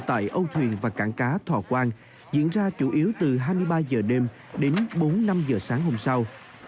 tại âu thuyền và cảng cá thọ quang diễn ra chủ yếu từ hai mươi ba h đêm đến bốn năm h sáng hôm sau